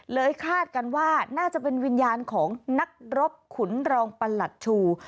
คาดกันว่าน่าจะเป็นวิญญาณของนักรบขุนรองประหลัดชู